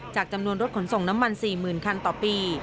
จำนวนรถขนส่งน้ำมัน๔๐๐๐คันต่อปี